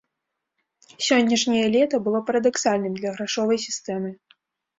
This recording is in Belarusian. Сённяшняе лета было парадаксальным для грашовай сістэмы.